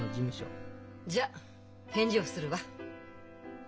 じゃあ返事をするわ。